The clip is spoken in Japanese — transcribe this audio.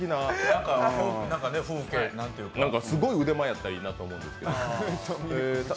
すごい腕前やったらいいなと思うんですけれども。